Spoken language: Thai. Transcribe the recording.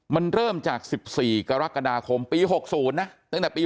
มันเริ่มจาก๑๔กรกฎาคมปี๖๐นะตั้งแต่ปี๒๕